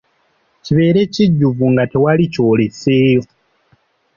Kibeere kijjuvu nga tewali ky'oleseeyo.